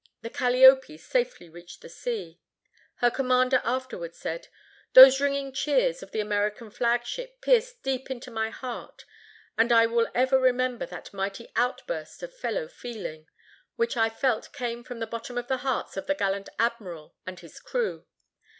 The Calliope safely reached the sea. Her commander afterward said: "Those ringing cheers of the American flagship pierced deep into my heart, and I will ever remember that mighty outburst of fellow feeling, which I felt came from the bottom of the hearts of the gallant admiral and his crew.